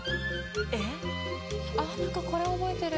あっなんかこれ覚えてる。